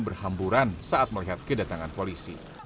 berhamburan saat melihat kedatangan polisi